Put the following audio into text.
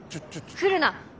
来るな。